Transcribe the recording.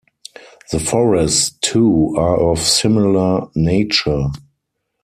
The forests too are of a similar nature.